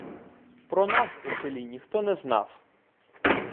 Про нас у селі ніхто не знав.